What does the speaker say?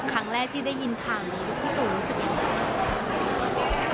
ครั้งแรกที่ได้ยินทางที่เธอรู้สึกอย่างไร